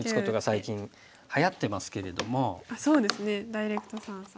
ダイレクト三々。